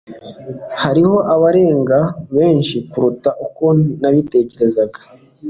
Hariho abarebaga benshi kuruta uko nabitekerezaga.